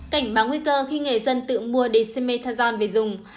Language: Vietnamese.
cảnh báng nguy cơ khi nghề dân tự mua dexamethasone về dùng